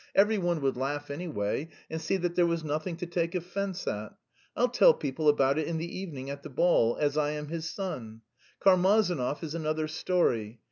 Every one would laugh, anyway, and see that there was nothing to take offence at. I'll tell people about it in the evening at the ball, as I am his son. Karmazinov is another story.